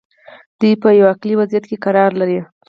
دوی په یوه عقلي وضعیت کې قرار لري.